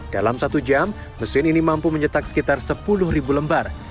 dalam satu jam mesin ini mampu mencetak sekitar sepuluh lembar